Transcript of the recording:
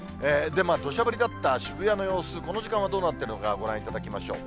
どしゃ降りだった渋谷の様子、この時間はどうなっているか、ご覧いただきましょう。